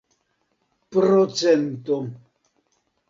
procento